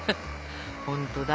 ほんとだ。